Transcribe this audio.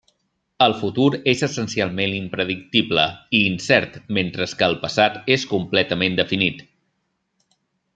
El futur és essencialment impredictible i incert, mentre que el passat és completament definit.